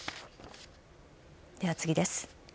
では次です。